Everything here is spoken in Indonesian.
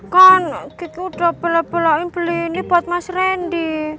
kan kiki udah bela belain beli ini buat mas rendy